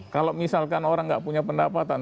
kalau misalkan orang nggak punya pendapatan